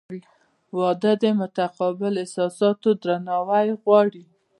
• واده د متقابل احساساتو درناوی غواړي.